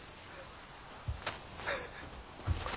あ。